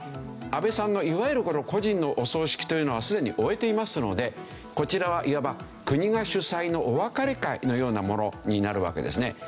安倍さんのいわゆる個人のお葬式というのはすでに終えていますのでこちらはいわば国が主催のお別れ会のようなものになるわけですね。